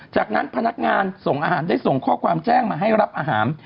จากนั้นพนักงานส่งอาหารได้ส่งข้อความแจ้งมาให้รับอาหาร